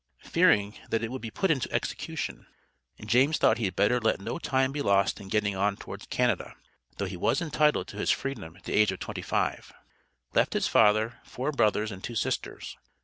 Fearing that it would be put into execution, James thought he had better let no time be lost in getting on towards Canada, though he was entitled to his Freedom at the age of twenty five. Left his father, four brothers and two sisters.